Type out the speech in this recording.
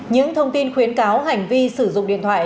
những thông tin khuyến cáo hành vi sử dụng điện thoại